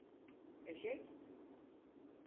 Eşek?